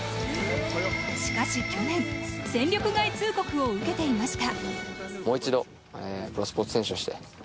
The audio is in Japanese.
しかし去年、戦力外通告を受けていました。